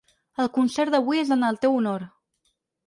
El concert d’avui és en el teu honor.